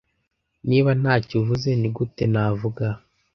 Niba ntacyo uvuze nigute navuga?